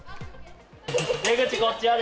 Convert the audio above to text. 出口、こっちやで。